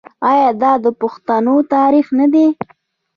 آیا دا د پښتنو تاریخ نه دی؟